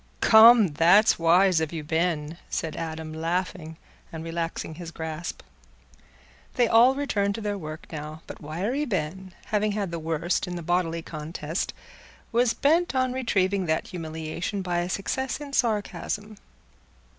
"Come, that's wise of you, Ben," said Adam, laughing and relaxing his grasp. They all returned to their work now; but Wiry Ben, having had the worst in the bodily contest, was bent on retrieving that humiliation by a success in sarcasm.